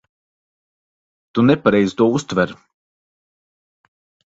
Tu nepareizi to uztver.